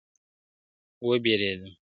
وبېرېدم.